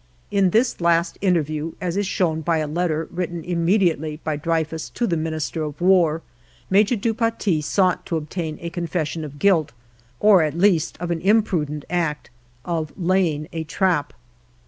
In this last interview, as is shown by a letter written im mediately by Dreyfus to the Minister of War, Major du Paty sought to obtain a confession of guilt, or at least of an imprudent act, of laying a trap.